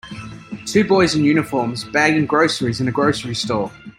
Two boys in uniforms bagging groceries in a grocery store.